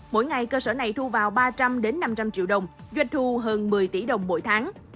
mỗi ngày cơ sở này thu vào ba trăm linh năm trăm linh triệu đồng doanh thu hơn một mươi tỷ đồng mỗi tháng